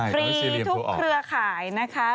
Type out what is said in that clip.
ฟรีทุกเครือข่ายนะคะ